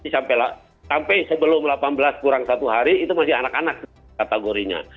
sampai sebelum delapan belas kurang satu hari itu masih anak anak kategorinya